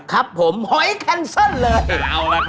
ครับผมหอยแคนเซินเลย